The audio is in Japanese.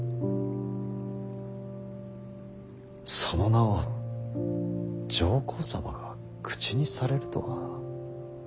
その名を上皇様が口にされるとは。